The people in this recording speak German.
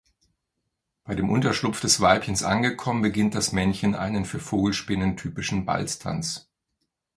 Bei dem Unterschlupf des Weibchens angekommen beginnt das Männchen einen für Vogelspinnen typischen Balztanz.